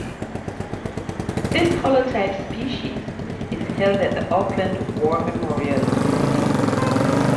This holotype species is held at the Auckland War Memorial Museum.